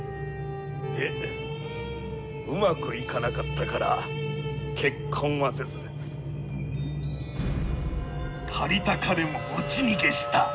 でうまくいかなかったから結婚はせず借りた金も持ち逃げした。